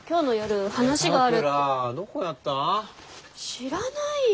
知らないよ。